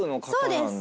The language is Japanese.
そうです。